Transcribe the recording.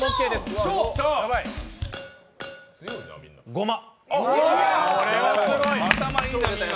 ごま。